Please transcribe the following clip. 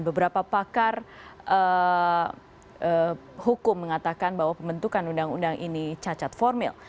beberapa pakar hukum mengatakan bahwa pembentukan undang undang ini cacat formil